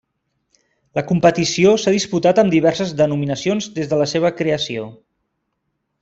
La competició s'ha disputat amb diverses denominacions des de la seva creació.